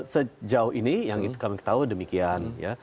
sejauh ini yang kami ketahui demikian ya